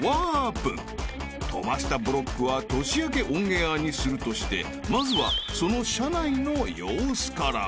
［飛ばしたブロックは年明けオンエアにするとしてまずはその車内の様子から］